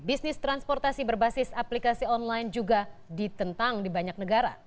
bisnis transportasi berbasis aplikasi online juga ditentang di banyak negara